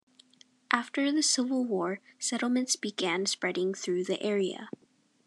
After the Civil War, settlements began spreading through the area.